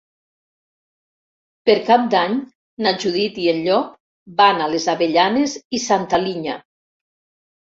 Per Cap d'Any na Judit i en Llop van a les Avellanes i Santa Linya.